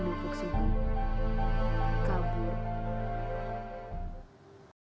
buksiku kau dulu